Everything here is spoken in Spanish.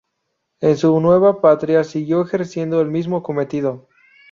En su nueva patria, siguió ejerciendo el mismo cometido.